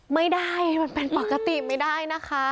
ไม่ได้มันเป็นปกติไม่ได้นะคะ